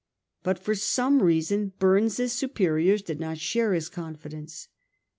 But for some reason Bumes's superiors did not share his confidence.